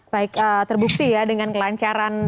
baik terbukti ya dengan kelancaran